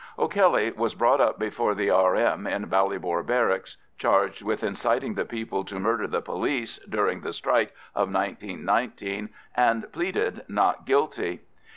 O'Kelly was brought up before the R.M. in Ballybor Barracks, charged with inciting the people to murder the police during the strike of 1919, and pleaded not guilty.